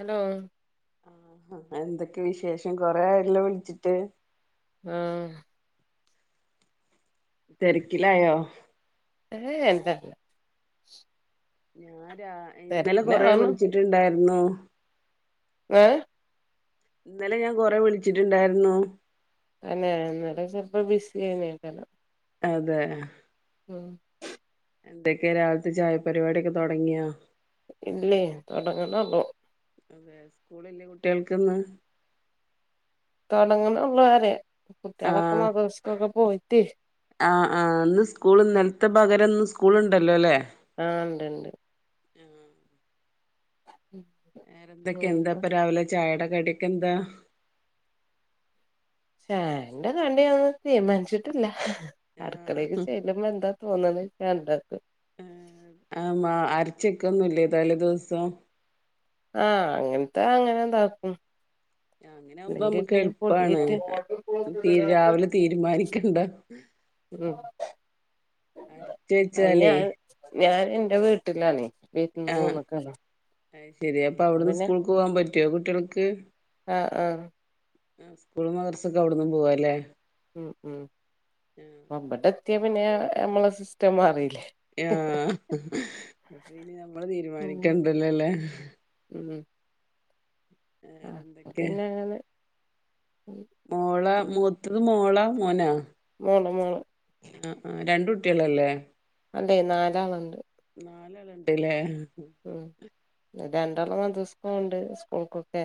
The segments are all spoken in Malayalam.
ഹലോ ആഹാ എന്തൊക്കെ വിശേഷം കൊറേയായല്ലൊ വിളിച്ചിട്ട് ആഹ് തെരക്കിലായോ ഏഹ്, അല്ല ഞാൻ രാ.. ഇന്നലെ കൊറേ തിരക്കിനാണ് വുളിച്ചിട്ട്ണ്ടായ്രുന്നു ഏഹ് ഇന്നലെ ഞാൻ കൊറേ വുളിച്ചിട്ട്ണ്ടായ്രുന്നു തന്നേ ഇന്നലെ ചെൽപ്പൊ ബിസിയെന്നേകാരം അതേ ഉം എന്തൊക്കെ രാവിൽത്തെ ചായ പരിപാടിയൊക്കെ തൊടങ്ങ്യോ ഇല്ലേ, തൊടങ്ങ്ണൊള്ളു അതെ സ്കൂളില്ലേ കുട്ടികൾക്കിന്ന്? തൊടങ്ങ്ണൊള്ളു പറിയാ കുട്ടിയളൊക്കെ ആഹ് മദ്രസ്ക്കൊക്കെ പോയിട്ട് ആഹ്, ആഹ് ഇന്ന് സ്കൂൾ ഇന്നലത്തെ പകരം ഇന്ന് സ്കൂള് ഇണ്ടല്ലല്ലേ? ആഹ് ഇണ്ട്ണ്ട് ആഹ് ഉം വേറെന്തെക്കെ? എന്താ ഇപ്പൊ രാവിലെ ചായേടെ കടിക്കെന്താ? ചായന്റെ കടിയൊന്നും തീരുമാനിച്ചിട്ടില്ല. അടുക്കളയിലേക്ക് ആഹ് ചെ ല്ലുമ്പം എന്താ തോന്ന്ളെച്ചാ അഹ് ഇണ്ടാക്കും ആഹ്, ആഹ് മാ അരച്ചെക്കൊന്നുല്യ തലേ ദിവസം? ആഹ്, അങ്ങനത്തെ അങ്ങനെ ഇതാക്കും ആഹ്, അങ്ങനെയാകുമ്പോ അല്ലെങ്കി പിന്നെ അമ്മൾക്കെളുപ്പാണ്. പൊടിയേറ്റ് രാവിലെ തീരുമാനിക്കണ്ട ഉം അരച്ച് അയിന് വെച്ചാലേ ഞാന്, ഞാൻ എന്റെ വീട്ടിലാണ് ആഹ്, അഹ്ശരി അപ്പൊ അവിടുന്ന് സ്കൂൾക്ക് പോവാൻ പറ്റോ കുട്ടികൾക്ക്? ആഹ്. ആഹ് ആഹ്, സ്കൂളും മദ്രസൊക്കെ അവിടുന്നും പോവാല്ലേ? ഉം ഉം അപ്പം ഇബടെത്തിയാ പിന്നെ നമ്മടെ സിസ്റ്റം മാറിയില്ലേ? ആഹ്, അപ്പൊ പിന്നെ നമ്മളു ഉം തീരുമാനിക്കണ്ടല്ലോല്ലേ? ഉം.. ആഹ് വേറെന്തെക്കെ? പിന്നെ അങ്ങനെ ഉം മോള, ഉം മൂത്തത് മോളോ, മോനോ? മോള് മോള് ആഹ്, ആഹ്, രണ്ടു കുട്ടിയളല്ലേ? അതെ നാലാള്ണ്ട് നാലാള് ഇണ്ട്ല്ലേ? ഉം.. രണ്ടാള് മദ്രസ്ക്ക് പോവ്ണ്ട് സ്കൂൾക്കൊക്കെ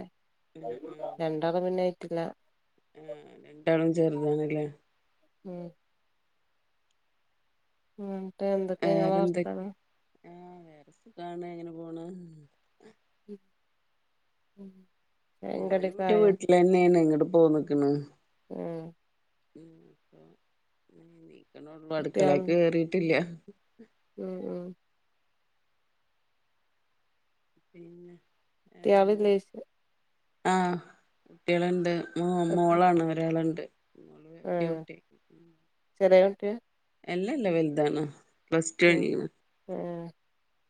ആഹ് ആഹ് രണ്ട് [unintelligible] ആഹ്, രണ്ടാളും ചെറുതാണ്ല്ലേ? ഉം ഉം ഇന്നെട്ട് എന്തെക്കെ ഇങ്ങളെ വേറെന്തൊക്കെ വർത്താനം ആഹ് വേറെ സുഖാണ് അങ്ങനെ പോണ് ഉം ഞാനും ഇന്റെ വീട്ട്ലെന്നേണ് ഇങ്ങട്ടു പോന്ന്ക്ക്ണ് ഉം ഞാ ഇപ്പൊ നീക്ക്ണൊള്ളൂ അടുക്കളേക്ക് കുട്ട്യാള്ണ്ട് കേറിയിട്ടില്ല ഉം ഉം പിന്നെ വേറെന്താ? കുട്ട്യാളില്ലേയ്ച്ച അഹ് കുട്ടിയളുണ്ട് മോ മോളാണ് ഒരാള്ണ്ട് ആഹ് ചെറിയ കുട്ടിയ? എല്ലല്ലാ വാൽതാണ് പ്ലസ് ടു കയിഞ്ഞ്ക്ക്ണ് ഏഹേ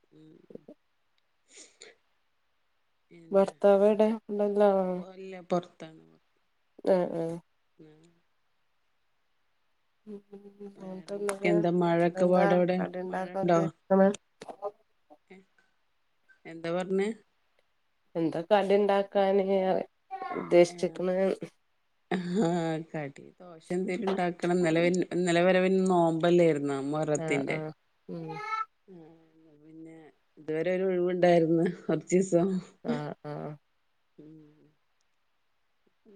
എഹ് ഭർത്താവ് എവ്ടെ? ഇവടെള്ള ആളാണോ? ഇല്ല പൊറത്ത ആ ആഹ് ഉം ഉം ഉം [unintelligible] വേറെ എന്തൊണ്ട എന്തൊക്കെ എന്താ മഴൊക്കെ പാട് അവിടെ കടി മഴ ഇണ്ടാക്ക ഉണ്ടോ ഉദ്ദേശിക്ക്‌ണ് എന്താ പറഞ്ഞെ എന്താ കടി ഇണ്ടാകന് ഉദ്ദേശിച്ച്ക്ക്‌ണ് അഹ് കടി ദോശ എന്തേലും ഇണ്ടാക്കണം ഇന്നലെ ഇന്നലെ വരവിൻ നോ മ്പല്ലേർന്നൊ ആഹ് മുഹറത്തിന്റെ ആഹ് ഉം ആഹ് അപ്പൊ പിന്നെ ഇതുവരെ ഒരു ഒഴിവ്ണ്ടായിരുന്ന് കൊർച്ചീസം ആഹ് ആഹ് ഉം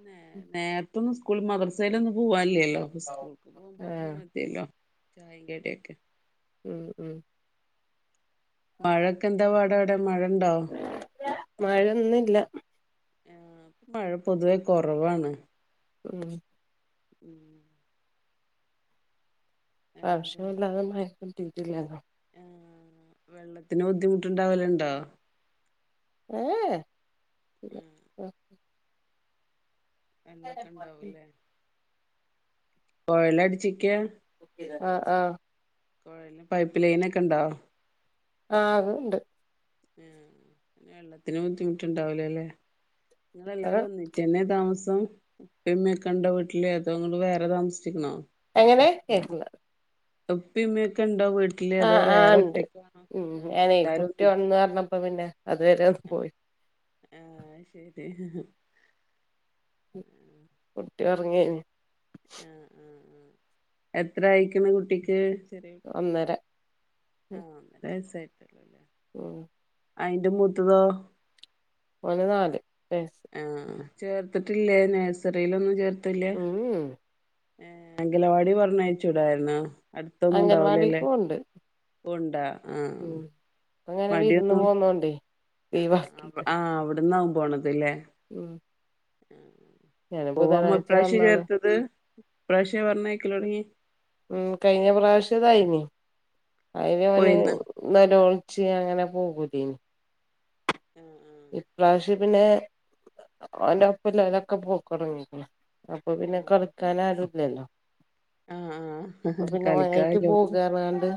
നെ നേർത്തൊന്നും സ്കൂൾ മദർസയിലൊന്നും പോവൻല്ല്യല്ലോ അപ്പൊ സ്കൂൾക്ക് പോവുമ്പോത്തിന് ആഹ് മ തിയല്ലൊ ചായിം കടിയൊക്കെ ഉം ഉം മയൊക്കെ എന്താപാട് അവ്ടെ മഴണ്ടോ? മയൊന്നുല്ല. ആഹ് മഴ പൊതുവേ കൊർവാണ് ഉം ഉം പ്രാവിശ്യം അതെ വല്ലാതെ മഴ കിട്ടീട്ടിറ്റില്ലലോ ആഹ് വെള്ളത്തിന് ബുദ്ധിമുട്ടുണ്ടാവലുണ്ടോ ഏ ഏഹ് ഇല്ല ഉം വെള്ളൊക്കെ ഇണ്ടാവൂലെ കൊഴലടിച്ചിക്ക ആഹ് ആഹ് കുഴല് പൈപ്പ് ലൈനക്കെ ഇണ്ടോ അഹ് അത്ണ്ട് ഉം പിന്നെ വെള്ളത്തിന് ബുദ്ധിമുട്ടുണ്ടാവിലലെ ഇങ്ങെളെല്ലാരും ഒന്നി ച്ചെന്നെ താമസം ഇപ്പിമ്മിക്കണ്ടൊ വീട്ടില് അതോ ഇങ്ങള് വേറെ താമസിച്ചിക്കണോ എങ്ങനെ കേക്ക്‌ണില്ല ഉപ്പി ഇമ്മ്യ്ക്കണ്ടോ വീ ആഹ് ആഹ് ഇണ്ട് ഉം ഞാനേ എല്ലാരും ഒന്നി കുട്ടിയൊണന്നു പറഞ്ഞപ്പോ പിന്നെ അതുവരെ ഒന്ന് പോയി ഏഹ് അയിശെരി കുട്ടി ഒറങ്ങ് എയ്നി ആഹ് ആഹ് ആഹ് എത്രയിക്ക്‌ണു കുട്ടിക്ക്‌, ചെറിയെ കു ഒന്നര ഉം ആഹ് ഒന്നര വയസായിട്ടൊള്ളുലെ ഉം അയിന്റെ മുത്തതോ? ഒഓന് നാല് വയസ്സ് ആഹ് ചേർത്തിട്ടില്ലേ നേസറീലൊന്നും ചേർ ഉം ഉം ഏഹ് അങ്കലവാടി പറഞ്ഞയച്ചൂടായിരു ന്നോ? അംഗൻവാടിക്ക് അടുത്തൊന്നുണ്ടാവൂലലെ പോണ്ട് വ്ണ്ടാ ആഹ് മടിയൊന്നു മ്മാണ്ടേ ആ അവ് ആഹ് അവിടന്നാവും പോണത് ലെ ഉം ആ ഞാന് ബുധനാഴ്ച പൂവാമ്മപ്രാവശ്യ വന്നാണ് ചേർത്തത് ഇപ്രാവശ്യാ പറഞ്ഞയക്കലൊടങ്ങി ഓ കയിഞ്ഞ പ്രാവശ്യതായിന് അയിനവന് പോയിന്ന് ന്നേരം ഒളിച്ച് ഞങ്ങനെ പോകൂലെ ആ ആ ഇപ്രാവശ്യം പ്പിന്നെ അവന്റെപ്പല്ലോ ഓരൊക്കെ പോക്ക് തൊടങ്ങീക്കണ് അപ്പപ്പിന്നെ കളിക്കാനാരൂല്ലല്ലോ ആ ആ ഹ് ഹ് ഓനായിട്ട് കളിക്കാലാകും പോകാർഞ്ഞാണ്ട്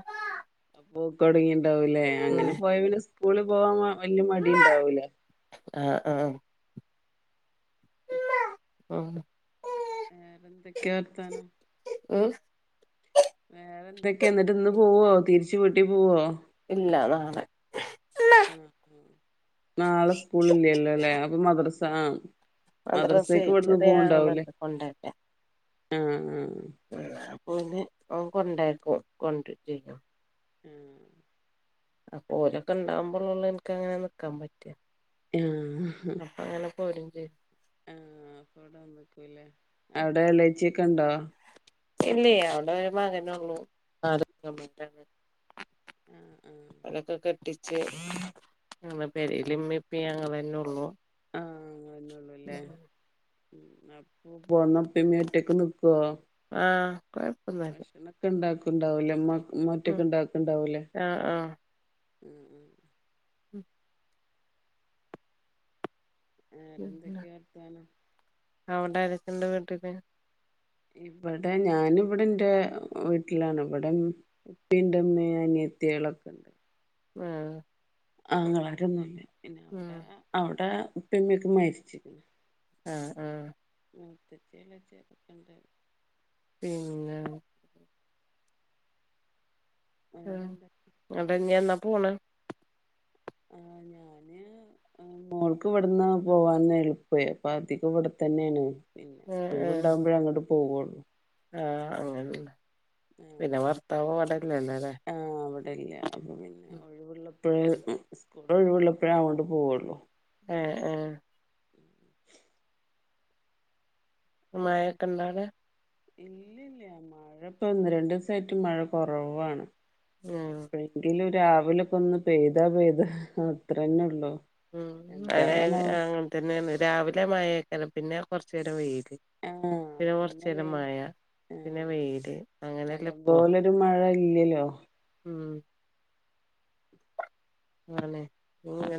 പോക്കൊടങ്ങീണ്ടാവൂല്ലേ ഉം അങ്ങനെ പോയാ പിന്നെ സ് സ്കൂളി പോവാൻ വ വല്യ മടിണ്ടാവൂല ആഹ് ആം പ്പ ഉം വേറെന്തൊക്കെയാ വർത്താനം ഊഫ് വേറെന്തെക്കെയാ ന്നിട്ട് ഇന്ന് പോവോ തിരിച്ച് വീട്ടി പോവോ ഇല്ലാ നാളെ ആ നാളെ സ്കൂളില്ലല്ലോല്ലേ അപ്പ മദ്രസ ആഹ് മദ്രസേ മദ്രസക്കിവിടുന്ന് ചെറിയ പോവുണ്ടാവൂലേ ആങ്ങളണ്ട് അ ആ പോന്ന് അവൻ കൊണ്ടാക്കും കൊണ്ടരേം ചെയ്യും ഉം അപ്പോലൊക്കെ ഉണ്ടാവുംമ്പ റൂളിലൊളളാൾക്കാരണ് നിക്കാൻ പറ്റാ [unintelligible] നാളപ്പോര്ഞ്ച് ആ അപ്പവിടെ ന്നിക്കൂല്ലേ അവിടെ ഏലാച്ചീക്കെണ്ടോ? ഇല്ലേ അവിടൊരു മരങളൊള്ളു അത്പ്പ [unintelligible] ആഹ് ആഹ് അവരൊക്കെ കെട്ടി ച് ഇമ്മേം ഉപ്പേം വീട്ടിലിമ്മേം ഉപ്പേം ഞങ്ങളന്നൊള്ളൂ ആ അങ്ങന്നുള്ളൂല്ലേ അപ്പൊ ഉപ്പ വന്നാ ഉപ്പേം ഉമ്മേം ഒറ്റക്ക് നിക്കോ ആഹ് കൊയപ്പൊന്നുല്ല ഇണ്ടാക്കുണ്ടാവൂലേ ഉമ്മ ഉം ഉമ്മൊറ്റെക്കുണ്ടാക്ക്ണ്ടാവൂലേ ആഹ് ഉം വേറെന്തെക്കെയ വർത്താനം ആ അവിടാരൊക്കിണ്ട് കെട്ടിക്കാൻ ഇവിടെ ഞാനിവിടെന്റെ വീട്ടിലാണ് ഇവിടം ഉപ്പിന്റെമ്മേ അനിയത്തികളെക്കെണ്ട് ആഹ് ആങ്ങളാരൊന്നുല്ല പിന്നെ ആ അവിടെ അവിടെ ഉപ്പേം ഉമ്മേക്ക മരിച്ച് ആ ആ മൂത്തച്ചീള ച്ചെറുക്കന്റെ പിന്ന ആ വേറെന്താ അതിനി എന്നാ പോണെ ആ ഞാന് മോൾക്ക് ഇവിടന്ന് പോവാൻ എളുപ്പേ അപ്പതിക്കം ഇവിടെ തന്നെണ് പിന്നെ ഏ ഏ ഒഴിവുണ്ടാകുമ്പോഴ അങ്ങട് പോവള്ളൂ ആ അങ്ങനെണ് പിന്നെ ഭർത്താവ് അവടെല്ലല്ലോ ല്ലേ ആഹ് വിടെല്ല അപ്പ പിന്നെ ഒഴിവുള്ളപ്പോഴ ഒഴുകുളപ്പഴേ അങ്ങോട്ട് പോവള്ളൂ ഏഹ് ഏഹ് ഉ [unintelligible] മഴൊക്കെ ഇണ്ടോ അവിടെ ഇല്ലല്ല മഴ ഇപ്പൊ ഒന്ന് രണ്ട് ദിവസമായിട്ട് മഴ കുറവാണ് ഉം എപ്പോഴെങ്കിലും രാവിലൊക്കെ ഒന്ന് പെയ്താ പെയ്താ അത്രന്നെ ഉള്ളു ഉം അങ്ങെ അങ്ങനെ തന്നെണ് രാവിലെ മഴേക്കാരം പിന്നെ കുറച്ചുനേരം വെയില് ആഹ് പിന്നെ കുറച്ചുനേരം വെയില് മഴ പിന്നെ വെയില് അങ്ങനെല്ലാ ഇപ്പോ ഒരു മഴ ഇല്ലല്ലോ ഉം അങ്ങനെ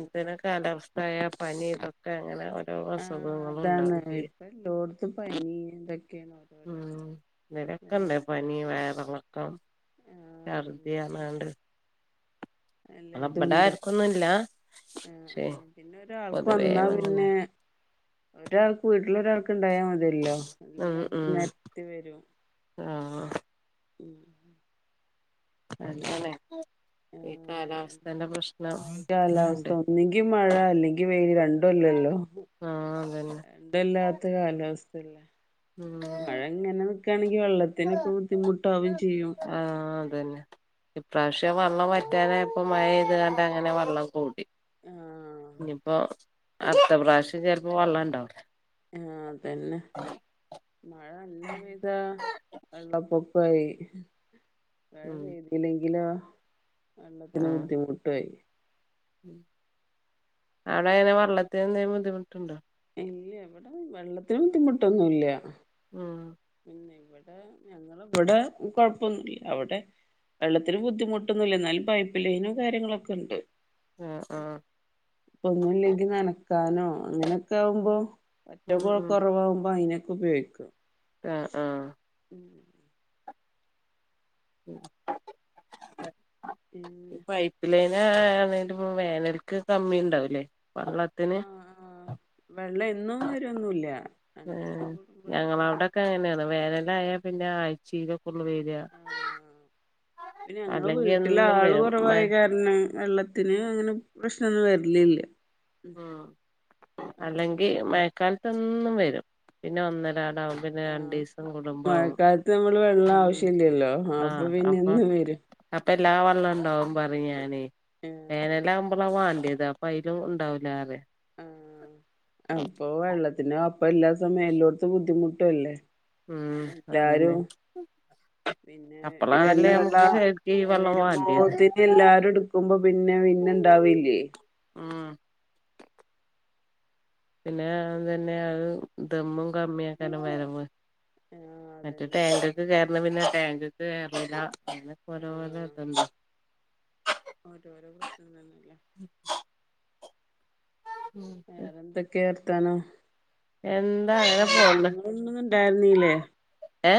ആ കാലവസ്ഥാ ആയാ പനി ഇതൊ ക്കെ അങ്ങനെ ഓരോ ആഹ് അസുഖങ്ങളും അതാണ് ഉണ്ടാവും ചെയ്യും ഇപ്പ എല്ലോട്ത്തും പനി ഇതൊക്കെയാണ് ഓരോരോ ഉം ഇതേനെ പിന്നെ ക്കെണ്ട് പനി വയറളക്കം ആഹ് ഛർദി എല്ലതും പറഞ്ഞാണ്ട് ആ ഇബടെ എല്ലതുണ്ട് ആർക്കൊന്നുംല്ല ആഹ് ആഹ് പിന്നെ ഒരാൾക്ക് വന്നാ പിന്നെ വാങ്ങുന്നുണ്ട് ഒരാൾക്ക് വീട്ടില് ഒരാൾക്ക് ഉണ്ടായൽ മതി അതല്ലോ ഉം എല്ലർക്കും ഉം നിരത്തി വരും ആഹ് ഉം അങ്ങനെ ഈ ആഹ് അതന്നെ കാലാവസ്ഥന്റെ പ്രശ്നം കായി കാലാവസ്ഥ ആണ്ട് ഒന്നെങ്കി മഴ അല്ലെങ്കിൽ വെയില് രണ്ട് ല്ലല്ലോ ആഹ് അതന്നെ ഇന്തല്ലാത്ത കാലാവസ്ഥല്ലേ ഉം മഴ ഇങ്ങനെ നിക്കണെങ്കിൽ വെള്ളത്തിനൊക്കെ ബുദ്ധിമുട്ടാവേം ചെയ്യും ആഹ് അതന്നെ ഇപ്രാവശ്യം വെള്ളം വറ്റാന നായപ്പോൾ മഴപെയ്തുകണ്ട് അങ്ങനെ വെള്ളം കൂടി ആഹ് ഇനിയിപ്പോഅടുത്ത പ്രാവശ്യം ചിലപ്പോ വെള്ളം ഇണ്ടാവുല്ല ആഹ് അതന്നെ ഉ [unintelligible] മഴ നല്ലാം പെയ്താ വെള്ളപ്പൊക്കായി മഴ ഉം പെയ്തിലെങ്കിലോ വെള്ളത്തിന് ബുദ്ധിമുട്ടായി ഉം അവിടെ അങ്ങനെ വെള്ളത്തിൽ എന്തേലും ബുദ്ധിമുട്ടുണ്ടോ ഇല്ല ഇവിടെ വെള്ളത്തിന് ബുദ്ധിമുട്ടൊന്നുല്ല ഉം പിന്നെ ഇവിടെ ഞങ്ങൾ ഇവിടെ കൊഴപ്പൊന്നുല്ല അവിടെ വെള്ളത്തിന് ബുദ്ധിമുട്ടൊന്നില്ല എന്നാലും പൈപ്പ് ലൈനും കാര്യങ്ങളുംക്കെ ഉണ്ട് ആഹ് ആഹ് ഇപ്പൊ ഒന്നുല്ലെങ്കി നനക്കാനോ അങ്ങനെയൊക്കെ ആകുമ്പോ പറ്റ ഉം ഉം കുറവാകുമ്പോൾ അയിനൊക്കെ ഉപയോഗിക്കും ആഹ് ആഹ് ഉം [inaudible] പിന്നെ പിലേന കഴിഞ്ഞിട്ടിപ്പം വേനൽക്ക് കമ്മി ഉണ്ടാവില്ലേ വള്ളത്തിന് ആഹ് ആഹ് വെള്ളം എന്നും വരൊന്നുംല്ല രണ്ട്സം കൂടുമ്പോഴൊക്കെ ക്ക്‌ അങ്ങനെയാണ് വേനല് ആയാൽ പിന്നെ ആ്ചയിലൊക്കെ ഉള്ളു വരിക ആ ഞങ്ങള് അല്ലെങ്കി എന്നും വീട്ടിലാള് വരും മ കുറവായികാര പിന്നെ വെള്ളത്തിന് അങ്ങനെ പ്രശ്നൊന്നും വരലില്ലേ ഉം അല്ലെങ്കി വെള്ളണ്ടാവ മഴക്കാലത്തൊന്നും വരും പിന്നെ ഒന്നരാടാവും പിന്നെ ആഹ് രണ്ടീസം കൂടുമ്പാവും മഴക്കാലത്ത് നമ്മള് വെള്ളം ഉം ആവശ്യല്ലല്ലോ അപ്പൊ പിന്നെ എന്നും വരും അപ്പല്ലാ വെള്ള ഉണ്ടാവും പറയാനെ [inaudible] വേനലാവുമ്പളാ വാണ്ടിയത് അപ്പൊ അതിലും ഉണ്ടാവൂല ആറയും ആ അപ്പൊ വെള്ളത്തിന് അപ്പ എല്ലാ സമയല്ലോടത്ത് ബുദ്ധിമുട്ടും അല്ലേ ഉം അതന്നെ ല്ലാരും പിന്നെ ഈ വരണ അപ്പളാണല്ലേ വെള്ള നമുക്ക് ശരിക്ക് ഈ വെള്ളം വാണ്ടിയത് വരുമ്പോത്തി എല്ലാരും എടുക്കുമ്പോ പിന്നെ പിന്നെണ്ടാവില്ലേ ഉം പിന്നെ അതന്നെ അത് ദമ്മും കമ്മിയാക്കന വരവ് ആഹ് മറ്റേ അതന്നെ അതന്നെ ടാങ്ക്ക്ക്‌ കേറണ പിന്നെ ടാങ്ക്ക്ക്‌ കേറണില്ല അങ്ങനക്കെ ഓരോരോ ആഹ് ഇതുണ്ട് ഓരോരോ പ്രശ്നം തന്നല്ലേ ഉം വേറെന്തൊക്കെയാ വർത്താനം എന്താ അങ്ങനെ പോണ് കല്യാണങ്ങളൊന്നും ഉണ്ടായിരുന്നീല്ലേ ഏ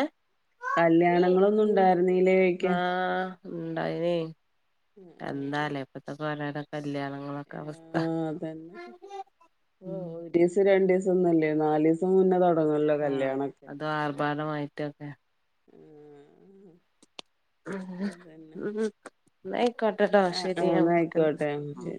കല്യാണങ്ങളൊന്നും ഉണ്ടായിരുന്നീല്ലേയ്ക്ക ആഹ് ഉണ്ടായിനെ എന്താലേ ഇപ്പത്തെക്കെ ഒരോരോ കല്യാണം ആഹ് അതന്നെ ഓ രീസം രണ്ടു ദിവസം ഒന്നുംല്ലേ നാല് ദിവസം മുന്നേ തുടങ്ങല്ലോ ആഹ് കല്യാണ ഒക്കെ അതും ആർഭാടമായിട്ടൊക്കെ ആഹ് ഉ ഉ ന്നായിക്കോട്ടെട്ടോ ആ ശരി ആ ഞാൻ എന്നാ വിളിക്കണ്ട് ആയിക്കോട്ടെ ശരി